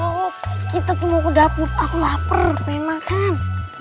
kita mau ke dapur aku laper makan